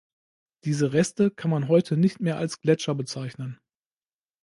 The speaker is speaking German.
Diese Reste kann man heute nicht mehr als Gletscher bezeichnen.